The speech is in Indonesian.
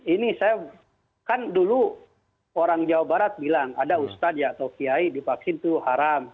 ini saya kan dulu orang jawa barat bilang ada ustadz ya atau kiai divaksin itu haram